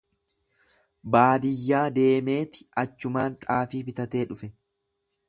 Baadiyyaa deemeeti achumaan xaafii bitatee dhufe.